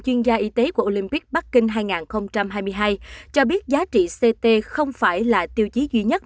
chuyên gia y tế của olympic bắc kinh hai nghìn hai mươi hai cho biết giá trị ct không phải là tiêu chí duy nhất